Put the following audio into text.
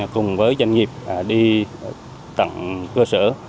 cùng với doanh nghiệp đi tặng cơ sở